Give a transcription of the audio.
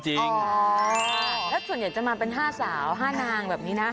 แล้วส่วนใหญ่จะมาเป็น๕สาว๕นางแบบนี้นะ